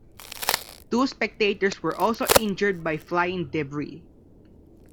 Two spectators were also injured by flying debris.